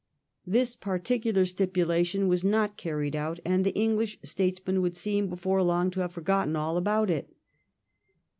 This particular stipulation was not carried out, and the English statesmen would seem before long to have forgotten all about it.